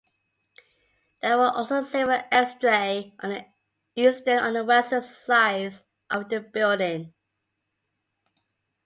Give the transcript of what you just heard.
There were also several "exedrae" on the eastern and western sides of the building.